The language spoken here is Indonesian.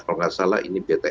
kalau nggak salah ini b dua b